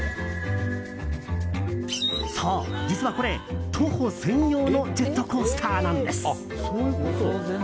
そう、実はこれ、徒歩専用のジェットコースターなんです。